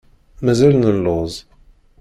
Mazal nelluẓ.